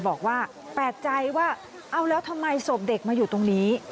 บอกว่าแปลกใจว่าเอาแล้วทำไมศพเด็กมาอยู่ตรงนี้